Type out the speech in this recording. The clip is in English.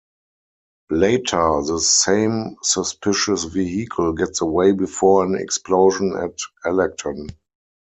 Later, the same suspicious vehicle gets away before an explosion at Elekton.